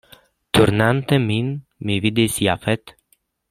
Turnante min, mi vidis Jafet.